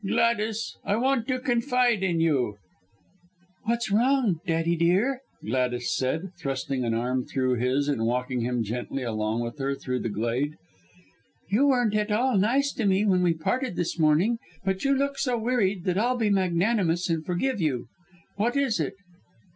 "Gladys, I want to confide in you!" "What's wrong, Daddy, dear?" Gladys said, thrusting an arm through his and walking him gently along with her through the glade. "You weren't at all nice to me when we parted this morning, but you look so wearied that I'll be magnanimous and forgive you. What is it?"